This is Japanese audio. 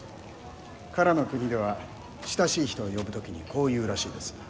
唐の国では親しい人を呼ぶ時にこう言うらしいです。